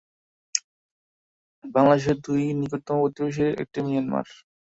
বাংলাদেশের দুই নিকটতম প্রতিবেশীর একটি মিয়ানমার।